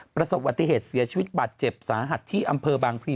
ประสบวัติเหตุเสียชีวิตบาดเจ็บสาหัสที่อำเภอบางพลี